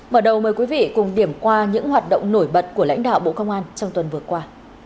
mở đầu mời quý vị cùng điểm qua những hoạt động nổi bật của lãnh đạo bộ công an trong tuần vừa qua